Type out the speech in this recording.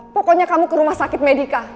pokoknya kamu ke rumah sakit medica